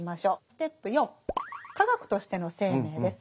ステップ４「化学としての生命」です。